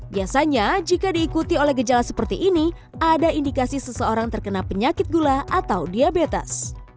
biasanya jika diikuti oleh gejala seperti ini ada indikasi seseorang terkena penyakit gula atau diabetes